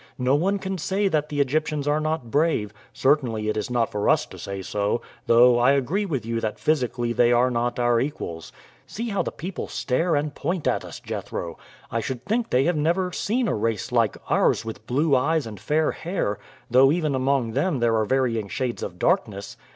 No one can say that the Egyptians are not brave; certainly it is not for us to say so, though I agree with you that physically they are not our equals. See how the people stare and point at us, Jethro. I should think they have never seen a race like ours with blue eyes and fair hair, though even among them there are varying shades of darkness.